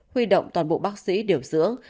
huy động toàn bộ bác sĩ điều dưỡng